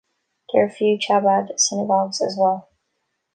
There are a few Chabad Synagogues as well.